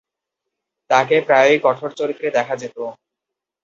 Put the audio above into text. তাকে প্রায়ই কঠোর চরিত্রে দেখা যেত।